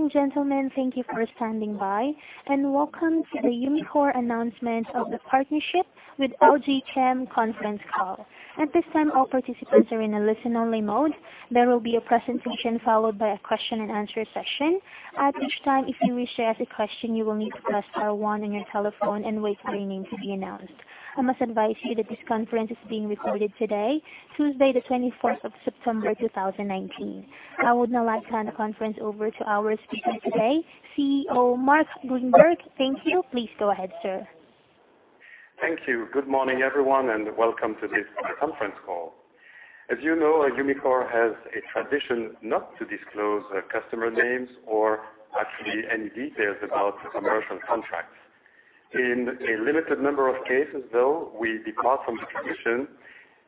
Ladies and gentlemen, thank you for standing by, and welcome to the Umicore announcement of the partnership with LG Chem conference call. At this time, all participants are in a listen-only mode. There will be a presentation followed by a question and answer session. At which time, if you wish to ask a question, you will need to press star one on your telephone and wait for your name to be announced. I must advise you that this conference is being recorded today, Tuesday the 24th of September, 2019. I would now like to hand the conference over to our speaker today, CEO Marc Grynberg. Thank you. Please go ahead, sir. Thank you. Good morning, everyone, and welcome to this conference call. As you know, Umicore has a tradition not to disclose customer names or actually any details about commercial contracts. In a limited number of cases, though, we depart from the tradition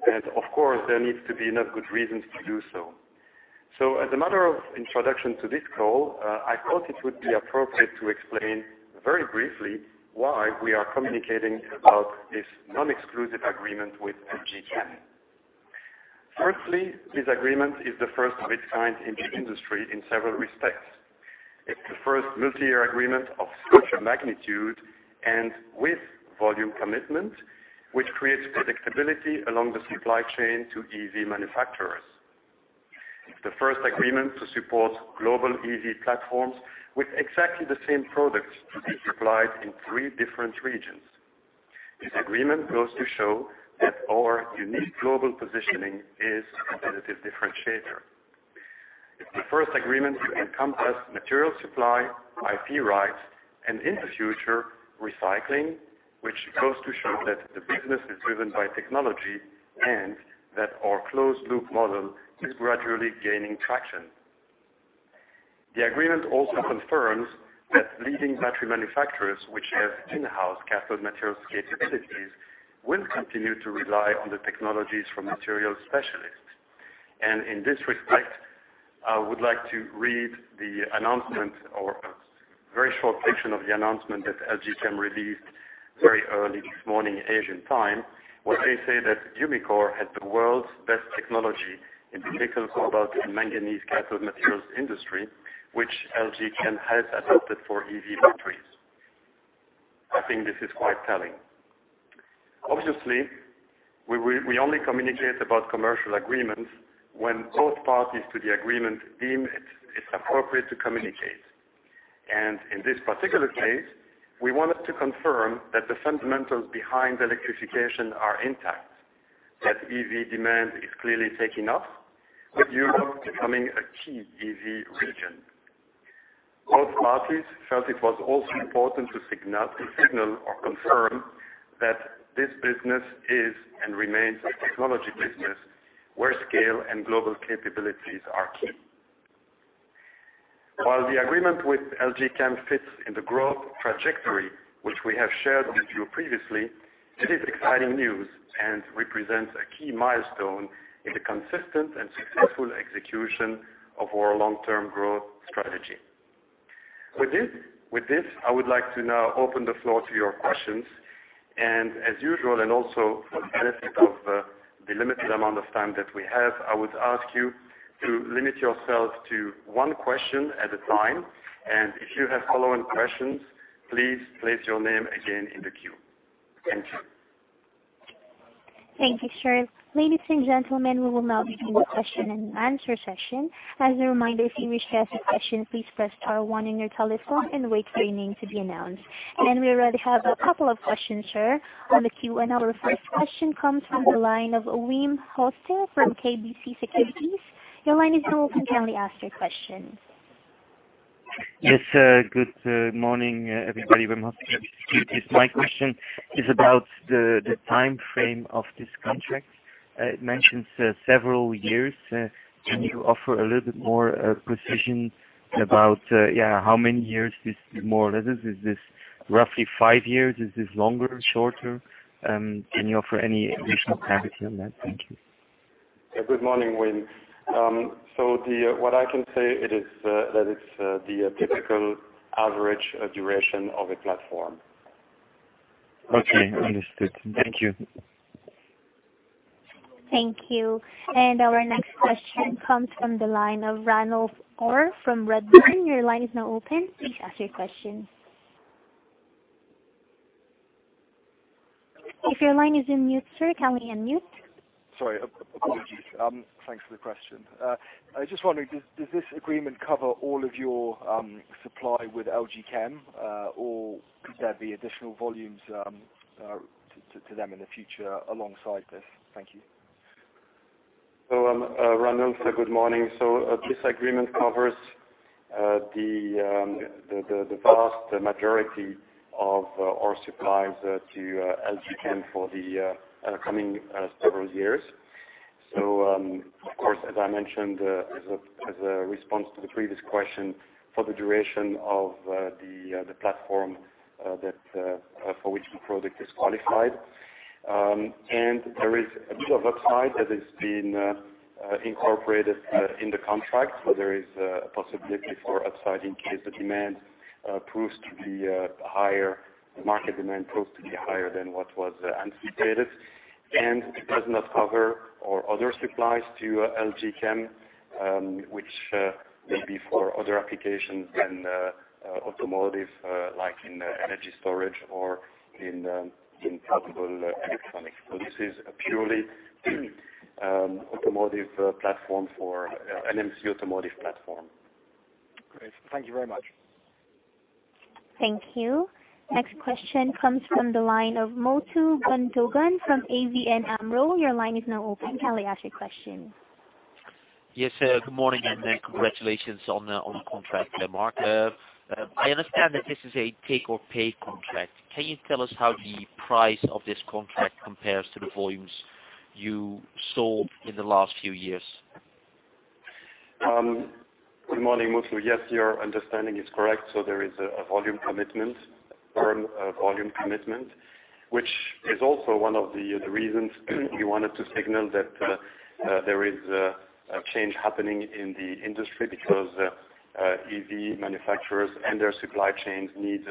and of course, there needs to be enough good reasons to do so. As a matter of introduction to this call, I thought it would be appropriate to explain very briefly why we are communicating about this non-exclusive agreement with LG Chem. Firstly, this agreement is the first of its kind in the industry in several respects. It's the first multi-year agreement of such a magnitude and with volume commitment, which creates predictability along the supply chain to EV manufacturers. It's the first agreement to support global EV platforms with exactly the same products to be supplied in three different regions. This agreement goes to show that our unique global positioning is a competitive differentiator. It's the first agreement to encompass material supply, IP rights, and in the future, recycling, which goes to show that the business is driven by technology and that our closed loop model is gradually gaining traction. The agreement also confirms that leading battery manufacturers, which have in-house cathode materials capabilities, will continue to rely on the technologies from material specialists. In this respect, I would like to read the announcement or a very short section of the announcement that LG Chem released very early this morning, Asian time, where they say that Umicore has the world's best technology in the nickel, cobalt, and manganese cathode materials industry, which LG Chem has adopted for EV batteries. I think this is quite telling. Obviously, we only communicate about commercial agreements when both parties to the agreement deem it appropriate to communicate. In this particular case, we wanted to confirm that the fundamentals behind electrification are intact, that EV demand is clearly taking off, with Europe becoming a key EV region. Both parties felt it was also important to signal or confirm that this business is, and remains, a technology business where scale and global capabilities are key. While the agreement with LG Chem fits in the growth trajectory, which we have shared with you previously, it is exciting news and represents a key milestone in the consistent and successful execution of our long-term growth strategy. With this, I would like to now open the floor to your questions. As usual, and also for the benefit of the limited amount of time that we have, I would ask you to limit yourself to one question at a time. If you have follow-on questions, please place your name again in the queue. Thank you. Thank you, sir. Ladies and gentlemen, we will now begin the question and answer session. As a reminder, if you wish to ask a question, please press star one on your telephone and wait for your name to be announced. We already have a couple of questions, sir, on the queue. Our first question comes from the line of Wim Hoste from KBC Securities. Your line is open. Kindly ask your question. Yes. Good morning, everybody. Wim Hoste, KBC Securities. My question is about the timeframe of this contract. It mentions several years. Can you offer a little bit more precision about how many years this is, more or less? Is this roughly five years? Is this longer? Shorter? Can you offer any additional clarity on that? Thank you. Good morning, Wim. What I can say, that it's the typical average duration of a platform. Okay. Understood. Thank you. Thank you. Our next question comes from the line of Ranulf Orr from Redburn. Your line is now open. Please ask your question. If your line is on mute, sir, can we unmute? Sorry. Apologies. Thanks for the question. I was just wondering, does this agreement cover all of your supply with LG Chem? Could there be additional volumes to them in the future alongside this? Thank you. Ranulf, good morning. This agreement covers the vast majority of our supplies to LG Chem for the coming several years. Of course, as I mentioned, as a response to the previous question, for the duration of the platform for which the product is qualified. There is a bit of upside that has been incorporated in the contract. There is a possibility for upside in case the demand proves to be higher, the market demand proves to be higher than what was anticipated, and it does not cover our other supplies to LG Chem, which may be for other applications than automotive, like in energy storage or in portable electronics. This is a purely automotive platform for NMC automotive platform. Great. Thank you very much. Thank you. Next question comes from the line of Mutlu Gundogan from ABN AMRO. Your line is now open. You can ask your question. Yes. Good morning. Congratulations on the contract there, Marc. I understand that this is a take-or-pay contract. Can you tell us how the price of this contract compares to the volumes you sold in the last few years? Good morning, Mutlu. Yes, your understanding is correct. There is a volume commitment, firm volume commitment, which is also one of the reasons we wanted to signal that there is a change happening in the industry because EV manufacturers and their supply chains need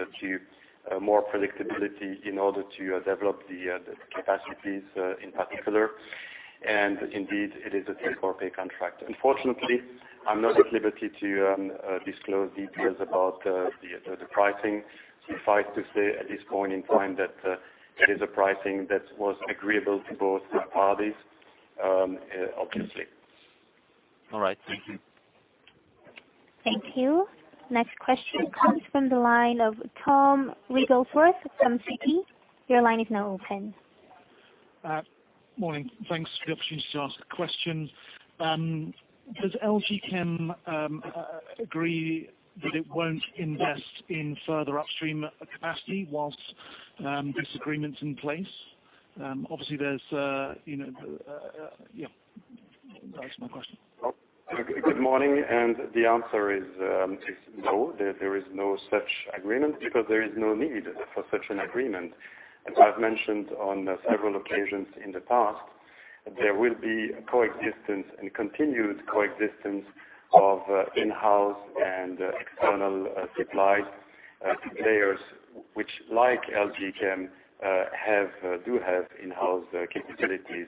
more predictability in order to develop the capacities in particular. Indeed, it is a take-or-pay contract. Unfortunately, I'm not at liberty to disclose details about the pricing. Suffice to say at this point in time that it is a pricing that was agreeable to both parties, obviously. All right. Thank you. Thank you. Next question comes from the line of Tom Wrigglesworth from Citi. Your line is now open. Morning. Thanks for the opportunity to ask a question. Does LG Chem agree that it won't invest in further upstream capacity while this agreement's in place? Yeah. That's my question. Good morning. The answer is no. There is no such agreement because there is no need for such an agreement. As I've mentioned on several occasions in the past, there will be coexistence and continued coexistence of in-house and external supply players, which like LG Chem, do have in-house capabilities.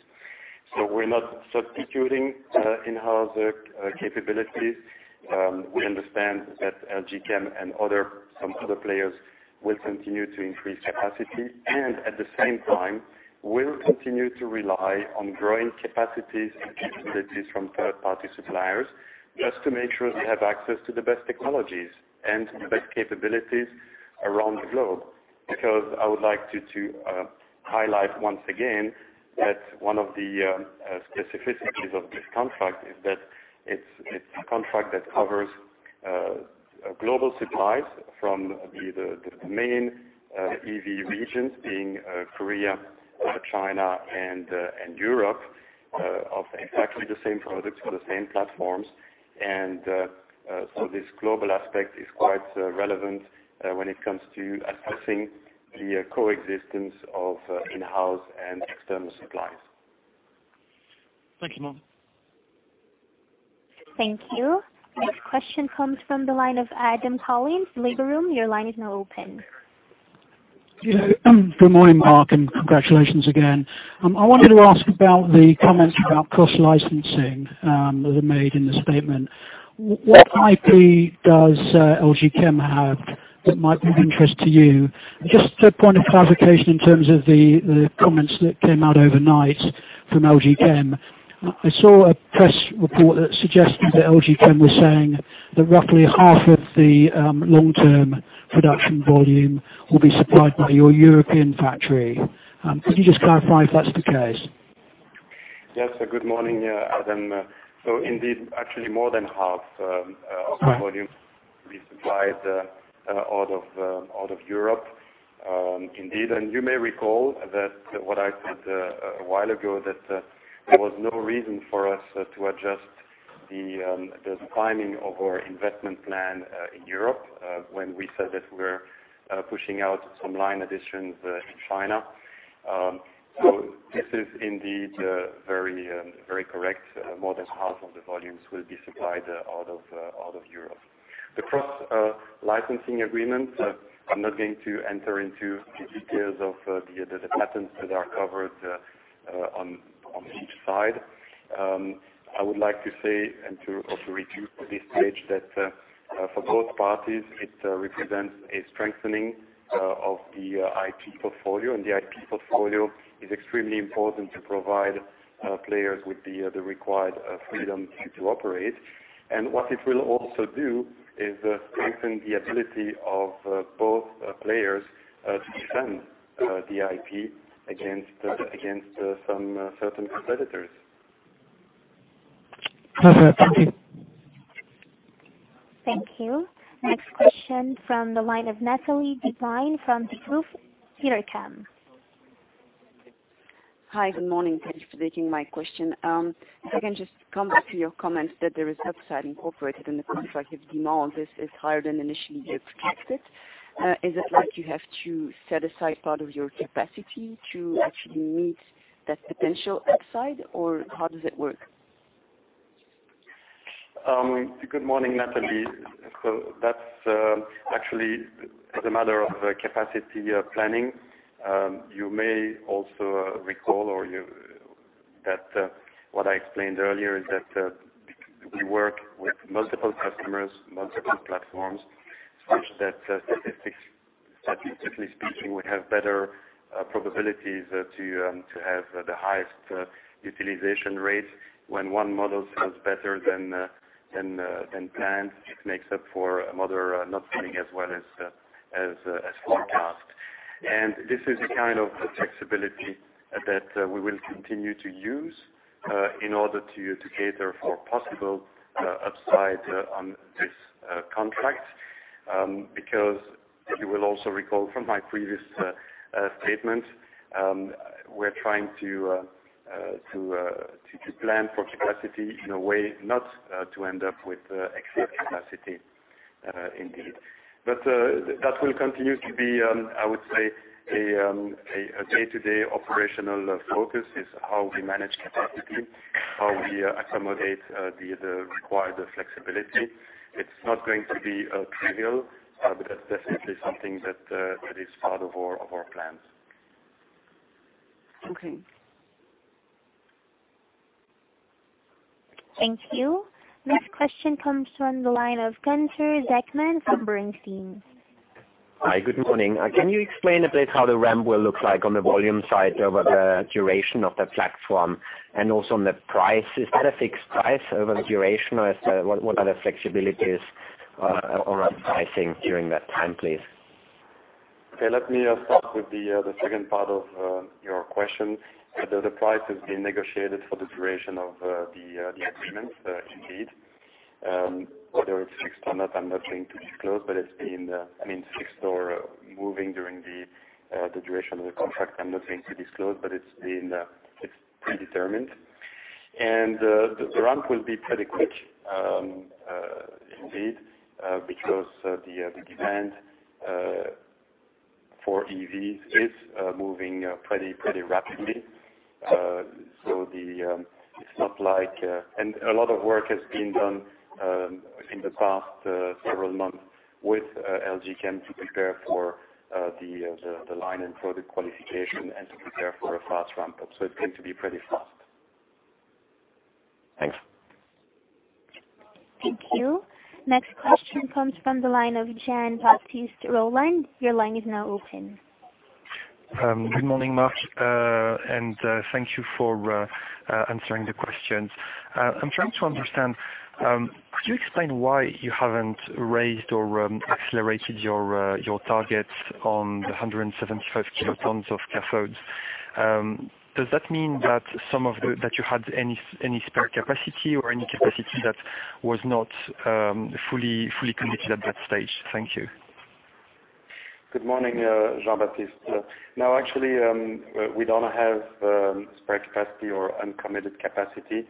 We're not substituting in-house capabilities. We understand that LG Chem and some other players will continue to increase capacity and at the same time will continue to rely on growing capacities and capabilities from third-party suppliers just to make sure they have access to the best technologies and the best capabilities around the globe. I would like to highlight once again that one of the specificities of this contract is that it's a contract that covers global supplies from the main EV regions, being Korea, China, and Europe, of exactly the same products for the same platforms. This global aspect is quite relevant when it comes to assessing the coexistence of in-house and external supplies. Thank you, Marc. Thank you. Next question comes from the line of Adam Collins, Liberum. Your line is now open. Good morning, Marc, and congratulations again. I wanted to ask about the comments about cross-licensing that were made in the statement. What IP does LG Chem have that might be of interest to you? Just a point of clarification in terms of the comments that came out overnight from LG Chem. I saw a press report that suggested that LG Chem was saying that roughly half of the long-term production volume will be supplied by your European factory. Could you just clarify if that's the case? Yes. Good morning, Adam. Indeed, actually more than half of the volume will be supplied out of Europe. Indeed. You may recall that what I said a while ago, that there was no reason for us to adjust the timing of our investment plan in Europe when we said that we're pushing out some line additions in China. This is indeed very correct. More than half of the volumes will be supplied out of Europe. The cross licensing agreement, I'm not going to enter into the details of the patents that are covered on each side. I would like to say, and to also reiterate at this stage that, for both parties, it represents a strengthening of the IP portfolio. The IP portfolio is extremely important to provide players with the required freedom to operate. What it will also do is strengthen the ability of both players to defend the IP against some certain competitors. Okay. Thank you. Thank you. Next question from the line of Nathalie Van den Haute from Degroof Petercam. Hi. Good morning. Thanks for taking my question. If I can just come back to your comment that there is upside incorporated in the contract. If demand is higher than initially you expected, is it like you have to set aside part of your capacity to actually meet that potential upside, or how does it work? Good morning, Nathalie. That's actually as a matter of capacity planning. You may also recall, or that what I explained earlier is that we work with multiple customers, multiple platforms, such that statistically speaking, we have better probabilities to have the highest utilization rates. When one model does better than planned, it makes up for another not doing as well as forecast. This is a kind of flexibility that we will continue to use in order to cater for possible upside on this contract. You will also recall from my previous statement, we're trying to plan for capacity in a way not to end up with excess capacity indeed. That will continue to be, I would say, a day-to-day operational focus is how we manage capacity, how we accommodate the required flexibility. It's not going to be trivial, but that's definitely something that is part of our plans. Okay. Thank you. Next question comes from the line of Gunther Zechmann from Bernstein. Hi, good morning. Can you explain a bit how the ramp will look like on the volume side over the duration of the platform, and also on the price? Is that a fixed price over the duration, or what are the flexibilities or pricing during that time, please? Let me start with the second part of your question. The price has been negotiated for the duration of the agreement, indeed. Whether it's fixed or not, I'm not going to disclose, but I mean, fixed or moving during the duration of the contract, I'm not going to disclose, but it's predetermined. The ramp will be pretty quick, indeed because the demand for EVs is moving pretty rapidly. A lot of work has been done in the past several months with LG Chem to prepare for the line and for the qualification and to prepare for a fast ramp-up. It's going to be pretty fast. Thanks. Thank you. Next question comes from the line of Jean-Baptiste Rolland. Your line is now open. Good morning, Marc, and thank you for answering the questions. I'm trying to understand, could you explain why you haven't raised or accelerated your targets on the 175 kilotons of cathodes? Does that mean that you had any spare capacity or any capacity that was not fully committed at that stage? Thank you. Good morning, Jean-Baptiste. No, actually, we don't have spare capacity or uncommitted capacity,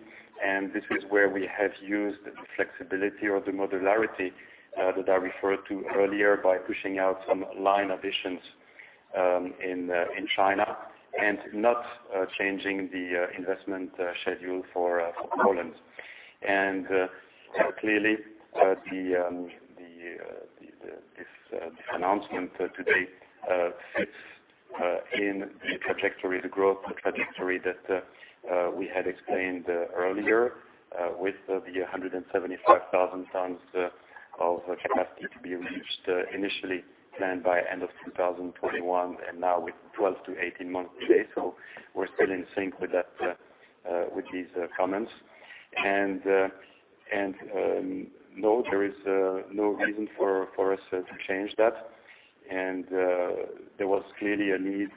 this is where we have used the flexibility or the modularity that I referred to earlier by pushing out some line additions in China and not changing the investment schedule for Poland. Clearly, this announcement today fits in the growth trajectory that we had explained earlier, with the 175,000 tons of capacity to be reached initially planned by end of 2021, and now with 12 to 18 months today. We're still in sync with these comments. No, there is no reason for us to change that. There was clearly a need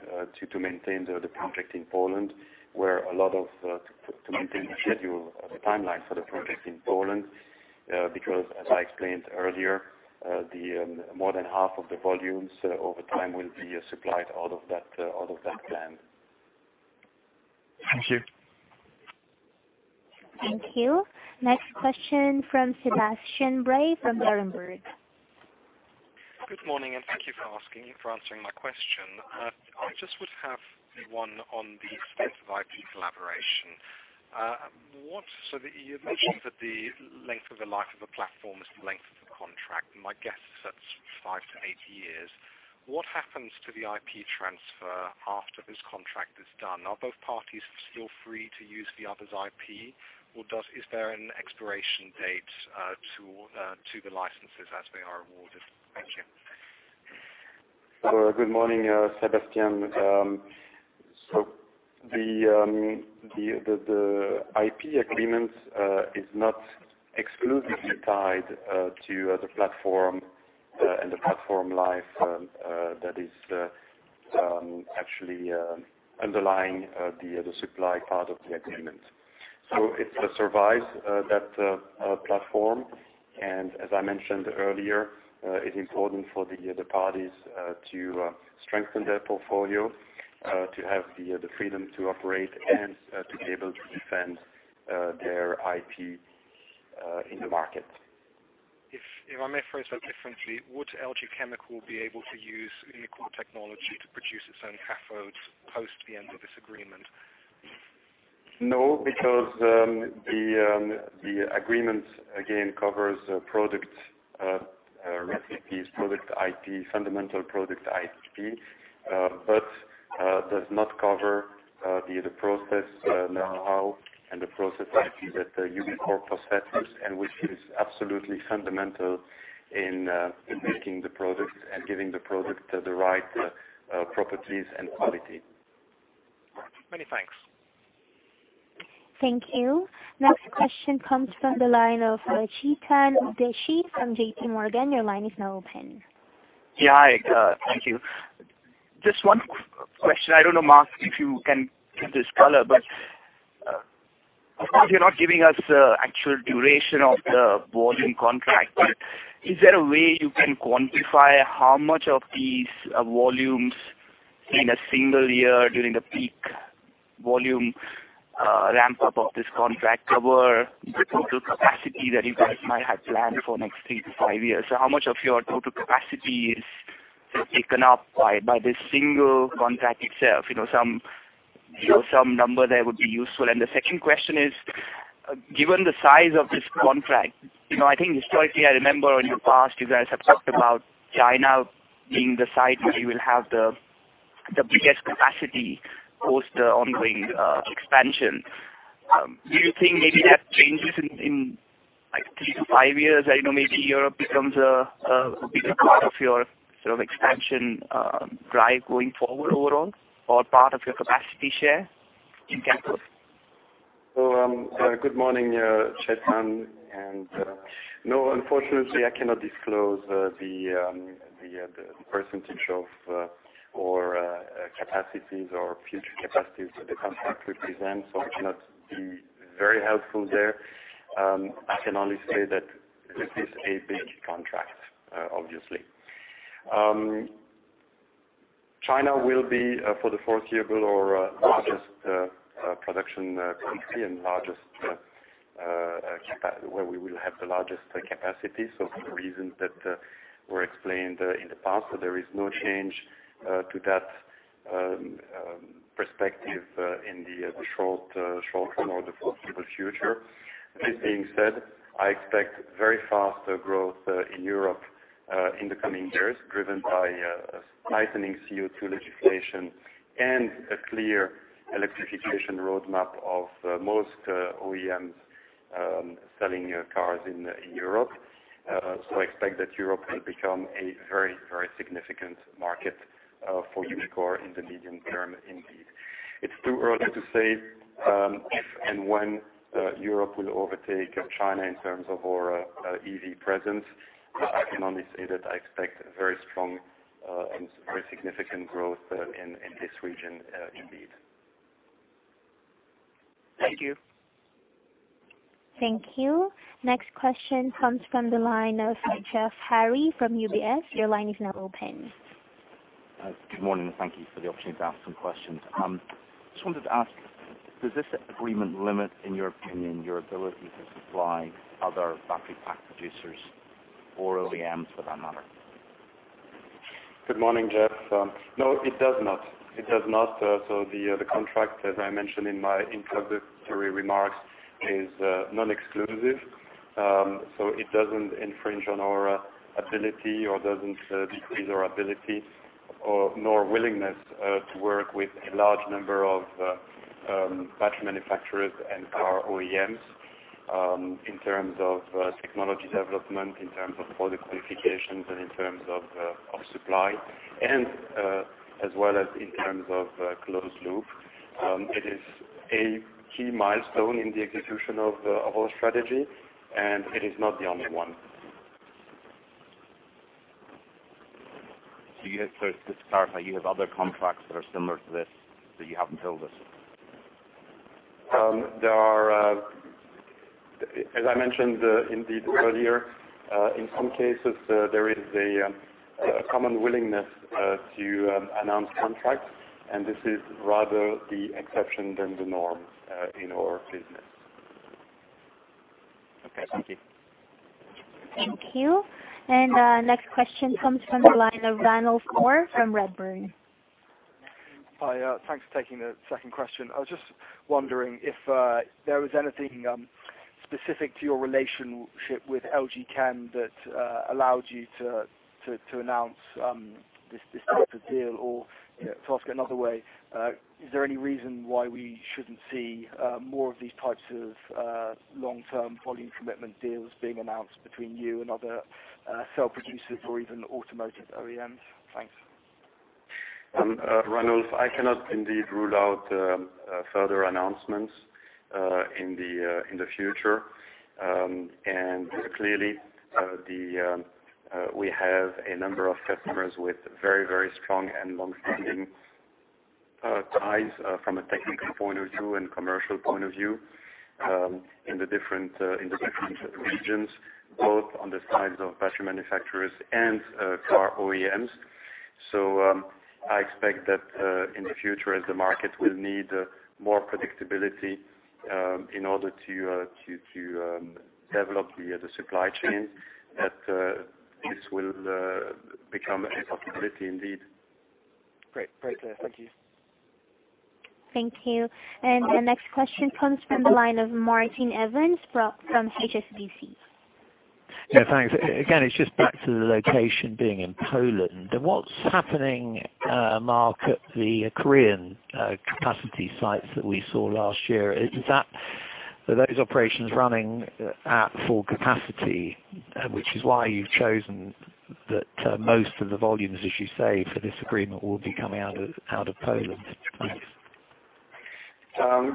to maintain the project in Poland, to maintain the schedule or the timeline for the project in Poland, because as I explained earlier, more than half of the volumes over time will be supplied out of that plant. Thank you. Thank you. Next question from Sebastian Bray from Berenberg. Good morning, and thank you for answering my question. I just would have one on the scope of IP collaboration. You mentioned that the length of the life of a platform is the length of the contract, and my guess is that's 5 to 8 years. What happens to the IP transfer after this contract is done? Are both parties still free to use the other's IP, or is there an expiration date to the licenses as they are awarded? Thank you. Good morning, Sebastian. The IP agreement is not exclusively tied to the platform and the platform life that is actually underlying the supply part of the agreement. It survives that platform, and as I mentioned earlier, it's important for the other parties to strengthen their portfolio, to have the freedom to operate, and to be able to defend their IP in the market. If I may phrase that differently, would LG Chem be able to use Umicore technology to produce its own cathodes post the end of this agreement? No, because the agreement, again, covers product recipes, product IP, fundamental product IP, but does not cover the process know-how and the process IP that Umicore possesses and which is absolutely fundamental in making the product and giving the product the right properties and quality. Many thanks. Thank you. Next question comes from the line of Chetan Udeshi from JPMorgan. Your line is now open. Thank you. Just one question. I don't know, Marc, if you can give this color, but of course, you're not giving us the actual duration of the volume contract. Is there a way you can quantify how much of these volumes in a single year during the peak volume ramp-up of this contract cover the total capacity that you guys might have planned for next three to five years? How much of your total capacity is taken up by this single contract itself? Some number there would be useful. The second question is, given the size of this contract, I think historically, I remember in the past, you guys have talked about China being the site where you will have the biggest capacity post the ongoing expansion. Do you think maybe that changes in three to five years? I know maybe Europe becomes a bigger part of your sort of expansion drive going forward overall or part of your capacity share in cathodes. Good morning, Chetan Udeshi. No, unfortunately, I cannot disclose the percentage of our capacities or future capacities that the contract represents, so I cannot be very helpful there. I can only say that this is a big contract, obviously. China will be, for the foreseeable, our largest production country and where we will have the largest capacity. For reasons that were explained in the past, there is no change to that perspective in the short term or the foreseeable future. This being said, I expect very fast growth in Europe in the coming years, driven by a tightening CO2 legislation and a clear electrification roadmap of most OEMs selling cars in Europe. I expect that Europe will become a very significant market for Umicore in the medium term, indeed. It's too early to say if and when Europe will overtake China in terms of our EV presence. I can only say that I expect very strong and very significant growth in this region indeed. Thank you. Thank you. Next question comes from the line of Geoff Haire from UBS. Your line is now open. Good morning, and thank you for the opportunity to ask some questions. Just wanted to ask, does this agreement limit, in your opinion, your ability to supply other battery pack producers or OEMs for that matter? Good morning, Geoff. No, it does not. The contract, as I mentioned in my introductory remarks, is non-exclusive. It doesn't infringe on our ability or doesn't decrease our ability or nor willingness to work with a large number of battery manufacturers and car OEMs in terms of technology development, in terms of product qualifications, and in terms of supply, and as well as in terms of closed loop. It is a key milestone in the execution of our strategy, and it is not the only one. Just to clarify, you have other contracts that are similar to this that you haven't told us? As I mentioned indeed earlier, in some cases, there is a common willingness to announce contracts, and this is rather the exception than the norm in our business. Okay. Thank you. Thank you. Next question comes from the line of Ranulf Orr from Redburn. Hi. Thanks for taking the second question. I was just wondering if there was anything specific to your relationship with LG Chem that allowed you to announce this type of deal. To ask it another way, is there any reason why we shouldn't see more of these types of long-term volume commitment deals being announced between you and other cell producers or even automotive OEMs? Thanks. Ranulf, I cannot indeed rule out further announcements in the future. Clearly, we have a number of customers with very strong and longstanding ties from a technical point of view and commercial point of view in the different regions, both on the sides of battery manufacturers and car OEMs. I expect that in the future, as the market will need more predictability in order to develop the supply chains, that this will become a possibility indeed. Great. Thank you. Thank you. The next question comes from the line of Martin Evans from HSBC. Yeah, thanks. Again, it's just back to the location being in Poland. What's happening, Marc, at the Korean capacity sites that we saw last year? Are those operations running at full capacity, which is why you've chosen that most of the volumes, as you say, for this agreement will be coming out of Poland? Thanks.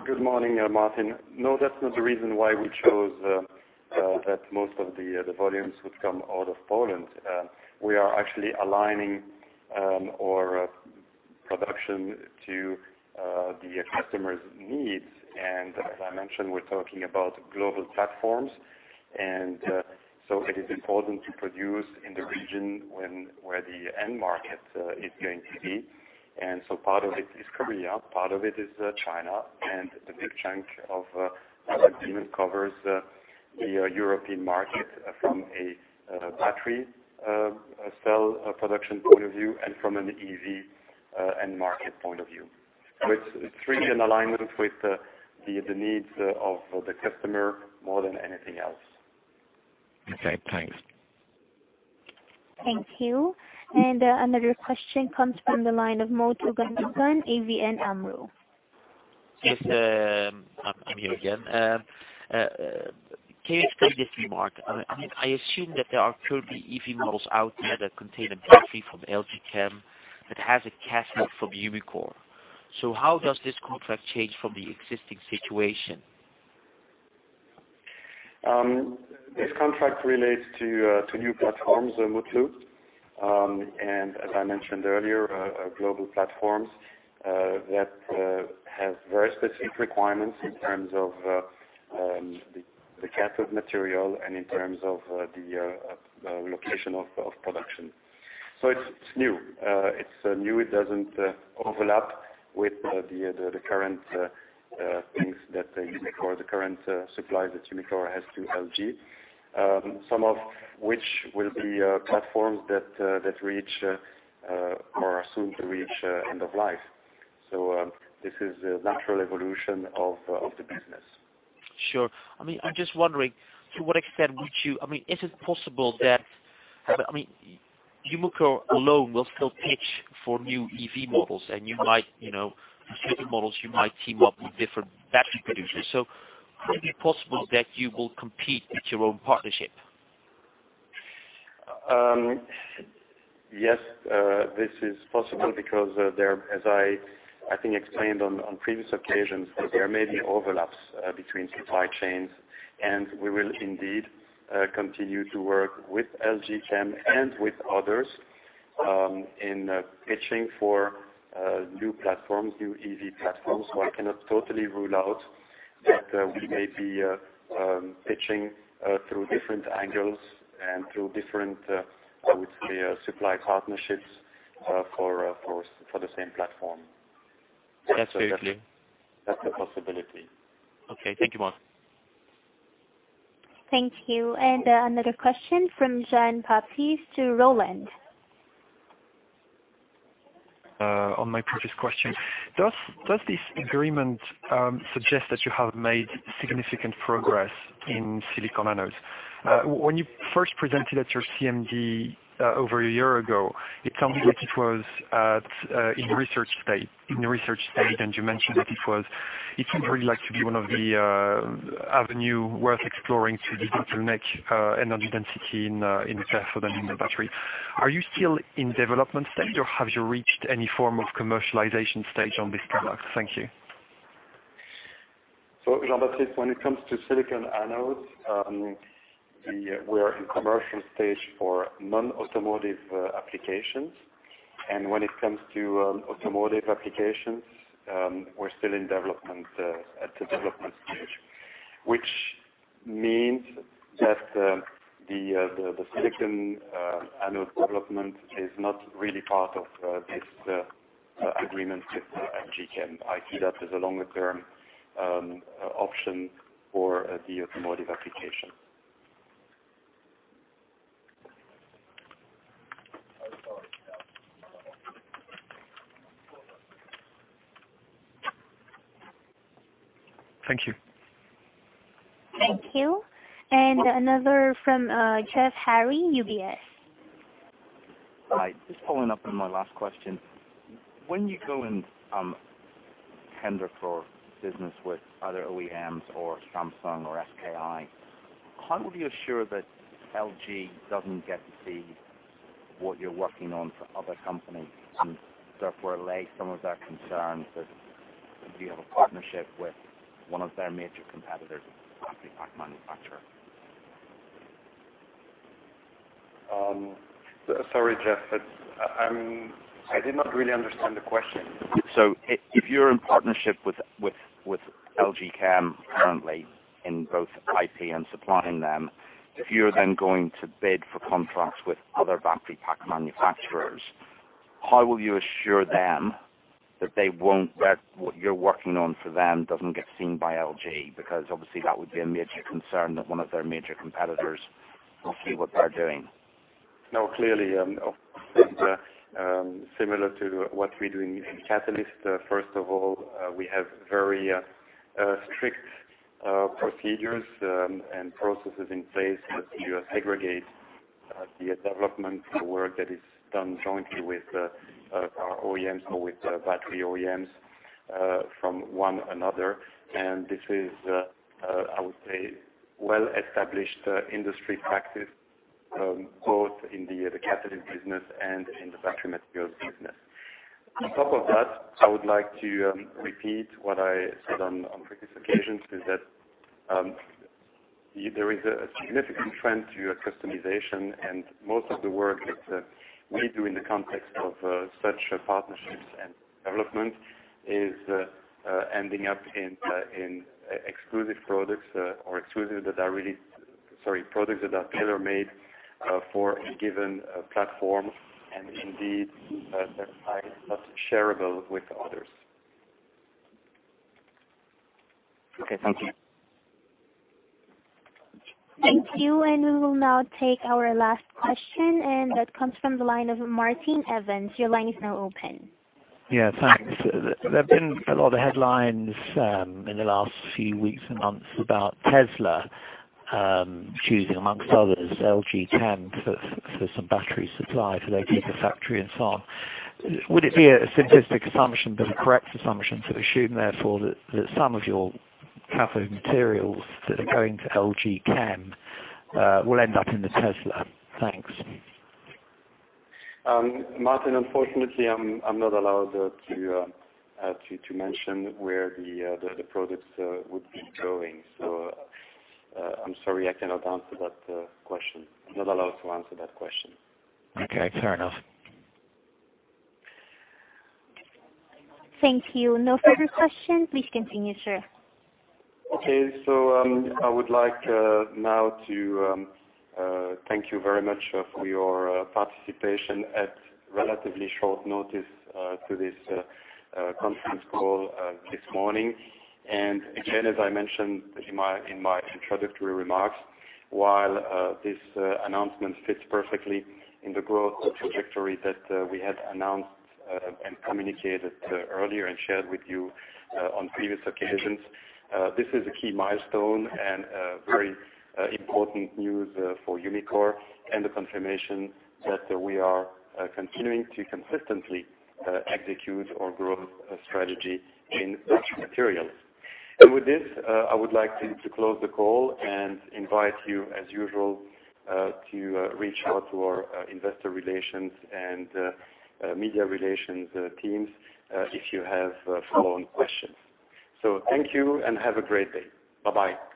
Good morning, Martin. No, that's not the reason why we chose that most of the volumes would come out of Poland. We are actually aligning our production to the customer's needs. As I mentioned, we're talking about global platforms. It is important to produce in the region where the end market is going to be. Part of it is Korea, part of it is China. The big chunk of the volume covers the European market from a battery cell production point of view and from an EV end market point of view. It's really in alignment with the needs of the customer more than anything else. Okay, thanks. Thank you. Another question comes from the line of Mutlu Gundogan, ABN AMRO. Yes. I'm here again. Can you explain this remark? I assume that there are currently EV models out there that contain a battery from LG Chem that has a cathode from Umicore. How does this contract change from the existing situation? This contract relates to new platforms, Mutlu. As I mentioned earlier, global platforms that have very specific requirements in terms of the cathode material and in terms of the location of production. It's new. It doesn't overlap with the current things that Umicore, the current supply that Umicore has to LG. Some of which will be platforms that reach, or are soon to reach end of life. This is a natural evolution of the business. Sure. I'm just wondering to what extent is it possible that Umicore alone will still pitch for new EV models and you might, for certain models, you might team up with different battery producers. Could it be possible that you will compete with your own partnership? Yes, this is possible because, as I think explained on previous occasions, there may be overlaps between supply chains, and we will indeed continue to work with LG Chem and with others in pitching for new platforms, new EV platforms. I cannot totally rule out that we may be pitching through different angles and through different, I would say, supply partnerships for the same platform. That's clear. That's a possibility. Okay. Thank you, Marc. Thank you. Another question from Jean-Baptiste Rolland. On my previous question, does this agreement suggest that you have made significant progress in silicon anodes? When you first presented at your CMD over a year ago, it sounded like it was at a research stage, and you mentioned that it seemed really like to be one of the avenues worth exploring to the bottleneck energy density in the cell for the new battery. Are you still in development stage, or have you reached any form of commercialization stage on this product? Thank you. Jean-Baptiste, when it comes to silicon anodes, we are in commercial stage for non-automotive applications. When it comes to automotive applications, we're still at the development stage. Which means that the silicon anode development is not really part of this agreement with LG Chem. I see that as a longer-term option for the automotive application. Thank you. Thank you. Another from Geoff Haire, UBS. Hi. Just following up on my last question. When you go and tender for business with other OEMs or Samsung or SKI, how would you assure that LG doesn't get to see what you're working on for other companies and therefore allay some of their concerns that you have a partnership with one of their major competitors as a battery pack manufacturer? Sorry, Geoff. I did not really understand the question. If you're in partnership with LG Chem currently in both IP and supplying them, if you're then going to bid for contracts with other battery pack manufacturers. How will you assure them that what you're working on for them doesn't get seen by LG? Obviously that would be a major concern that one of their major competitors will see what they're doing. No, clearly. Similar to what we're doing in catalyst, first of all, we have very strict procedures and processes in place to segregate the development work that is done jointly with our OEMs or with battery OEMs from one another. This is, I would say, well established industry practice, both in the catalyst business and in the battery materials business. On top of that, I would like to repeat what I said on previous occasions, is that there is a significant trend to customization and most of the work that we do in the context of such partnerships and development is ending up in exclusive products or products that are tailor-made for a given platform and indeed, that are not shareable with others. Okay. Thank you. Thank you. We will now take our last question. That comes from the line of Martin Evans. Your line is now open. Yeah. Thanks. There have been a lot of headlines in the last few weeks and months about Tesla choosing, among others, LG Chem for some battery supply to their Gigafactory and so on. Would it be a simplistic assumption, but a correct assumption, to assume therefore that some of your cathode materials that are going to LG Chem will end up in the Tesla? Thanks. Martin, unfortunately, I'm not allowed to mention where the products would be going. I'm sorry, I cannot answer that question. I'm not allowed to answer that question. Okay, fair enough. Thank you. No further questions. Please continue, sir. Okay, I would like now to thank you very much for your participation at relatively short notice to this conference call this morning. Again, as I mentioned in my introductory remarks, while this announcement fits perfectly in the growth trajectory that we had announced and communicated earlier and shared with you on previous occasions. This is a key milestone and very important news for Umicore and the confirmation that we are continuing to consistently execute our growth strategy in battery materials. With this, I would like to close the call and invite you, as usual, to reach out to our investor relations and media relations teams if you have follow-on questions. Thank you and have a great day. Bye-bye.